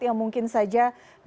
yang mungkin saja